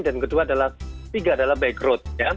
dan kedua adalah tiga adalah bike road